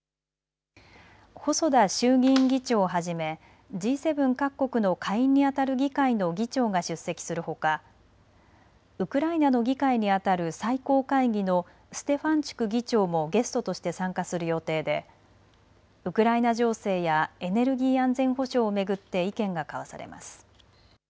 細田衆議院議長をはじめＧ７各国の下院にあたる議会の議長が出席するほかウクライナの議会にあたる最高会議のステファンチュク議長もゲストとして参加する予定でウクライナ情勢やエネルギー安全保障を巡って意見が交わされます。